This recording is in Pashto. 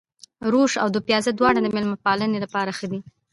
روش او دوپيازه دواړه د مېلمه پالنې لپاره ښه دي.